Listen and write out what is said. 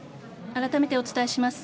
あらためてお伝えします。